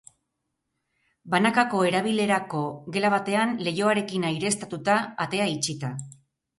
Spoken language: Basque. Banakako erabilerako gela batean, leihoarekin, aireztatuta, atea itxita.